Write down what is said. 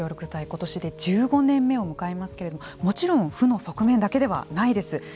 今年で１５年目を迎えますけれどももちろん、負の側面だけではないです。